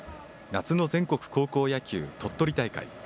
夏の全国高校野球鳥取大会。